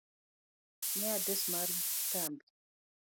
ne adres mar kambi.